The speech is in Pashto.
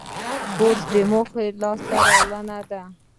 کورس د موخو لاسته راوړنه ده.